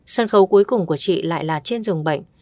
sân khấu cuối cùng của chị lại là trên dường bệnh